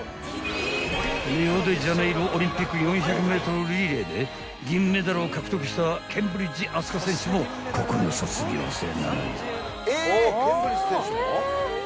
［リオデジャネイロオリンピック４００ｍリレーで銀メダルを獲得したケンブリッジ飛鳥選手もここの卒業生なのよ］